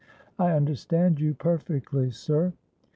'—'I understand you perfectly, sir.'